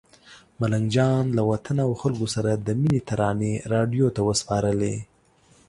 ملنګ جان له وطن او خلکو سره د مینې ترانې راډیو ته وسپارلې.